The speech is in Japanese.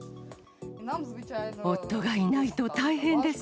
夫がいないと大変です。